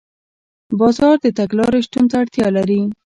بازار د تګلارې شتون ته اړتیا لري.